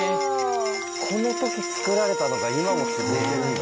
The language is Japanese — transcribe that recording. この時作られたのが今も続いてるんだ。